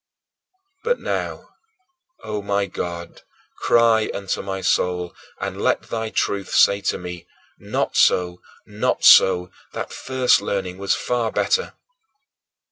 22. But now, O my God, cry unto my soul, and let thy truth say to me: "Not so, not so! That first learning was far better."